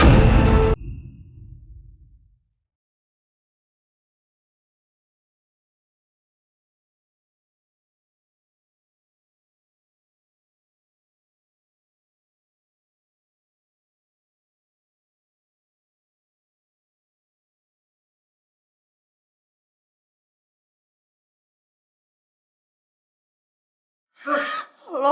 argenteni yang melihat lo